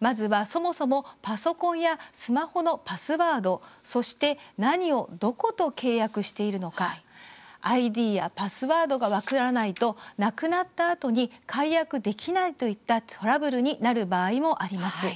まずは、そもそもパソコンやスマホのパスワードそして何をどこと契約しているのかＩＤやパスワードが分からないと亡くなったあとに解約できないといったトラブルになる場合もあります。